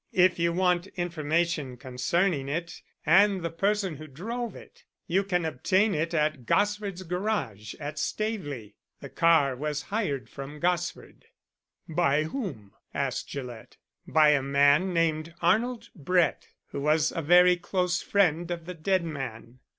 If you want information concerning it and the person who drove it you can obtain it at Gosford's garage at Staveley. The car was hired from Gosford." "By whom?" asked Gillett. "By a man named Arnold Brett, who was a very close friend of the dead man."